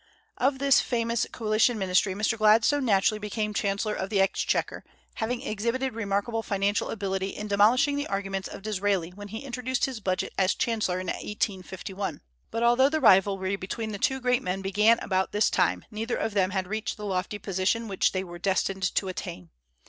Of this famous coalition ministry Mr. Gladstone naturally became chancellor of the exchequer, having exhibited remarkable financial ability in demolishing the arguments of Disraeli when he introduced his budget as chancellor in 1851; but although the rivalry between the two great men began about this time, neither of them had reached the lofty position which they were destined to attain.